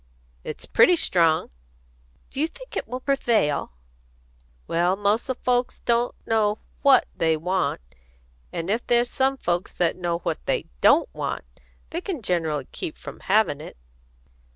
"It's pretty strong." "Do you think it will prevail?" "Well, most o' folks don't know what they want; and if there's some folks that know what they don't want, they can generally keep from havin' it."